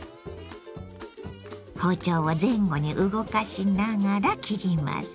包丁を前後に動かしながら切ります。